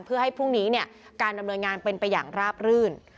เพื่อให้พรุ่งนี้การดำเนินงานเป็นไปอย่างราบรื่น